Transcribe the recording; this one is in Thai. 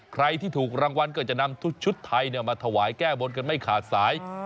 ใครที่ถูกรางวัลก็จะนำชุดไทยมาถวายแก้บนกันไม่ขาดสาย